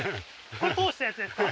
これ通したやつですか？